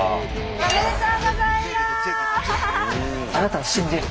おめでとうございます！